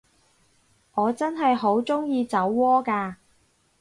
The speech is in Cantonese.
我真係好鍾意酒窩㗎